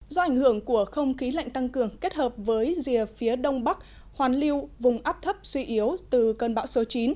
do ảnh hưởng của không khí lạnh tăng cường kết hợp với rìa phía đông bắc hoàn lưu vùng áp thấp suy yếu từ cơn bão số chín